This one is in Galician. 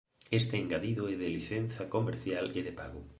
Este engadido é de licenza comercial e de pago.